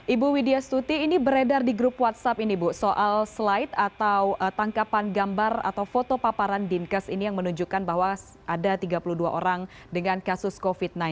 ibu widya stuti ini beredar di grup whatsapp ini bu soal slide atau tangkapan gambar atau foto paparan dinkes ini yang menunjukkan bahwa ada tiga puluh dua orang dengan kasus covid sembilan belas